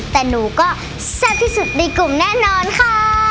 แต่หนูก็แซ่บที่สุดในกลุ่มแน่นอนค่ะ